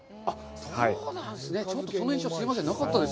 そうなんですね。